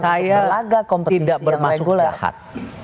saya tidak bermasuk jahat